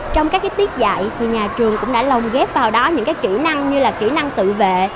trong các tiết dạy thì nhà trường cũng đã lồng ghép vào đó những kỹ năng như là kỹ năng tự vệ